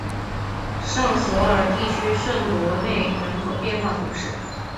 尚索尔地区圣博内人口变化图示